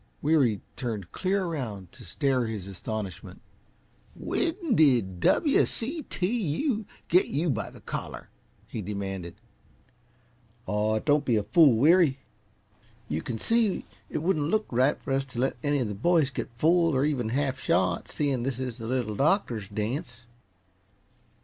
Weary turned clear around to stare his astonishment. "When did the W. C. T. U. get you by the collar?" he demanded. "Aw, don't be a fool, Weary," retorted Chip. "You can see it wouldn't look right for us to let any of the boys get full, or even half shot, seeing this is the Little Doctor's dance."